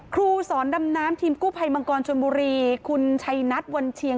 ครูสอนดำน้ำทีมกู้ภัยมังกรชนบุรีคุณชัยนัทวันเชียง